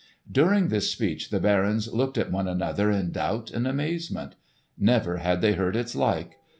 During this speech the barons looked at one another in doubt and amazement. Never had they heard its like.